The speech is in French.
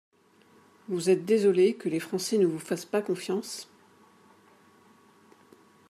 Vous être désolé que les Français ne vous fassent pas confiance.